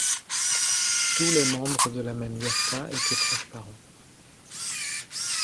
Tous les membres de la même yerta étaient proches parents.